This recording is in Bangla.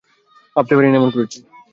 ভাবতে পারি না, এমন করেছি।